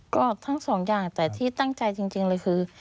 ก็ทั้งสองอย่างแต่ที่ตั้งใจจริงเลยคือ